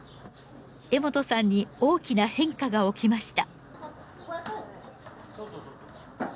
江本さんに大きな変化が起きました。